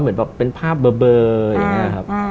เหมือนแบบเป็นภาพเบอร์อย่างนี้ครับ